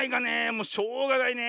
もうしょうがないね。